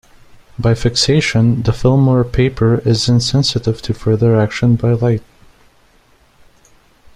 By fixation, the film or paper is insensitive to further action by light.